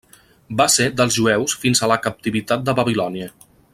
Va ser dels jueus fins a la captivitat de Babilònia.